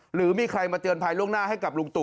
หรือมีใครมาเตือนภัยล่วงหน้าให้กับลุงตู่